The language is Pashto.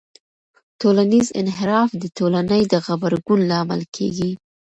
ټولنیز انحراف د ټولنې د غبرګون لامل کېږي.